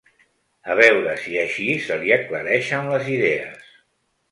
A veure si així se li aclareixen les idees.